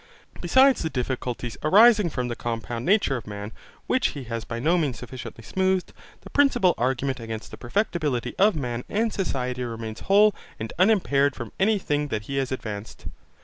Besides the difficulties arising from the compound nature of man, which he has by no means sufficiently smoothed, the principal argument against the perfectibility of man and society remains whole and unimpaired from any thing that he has advanced.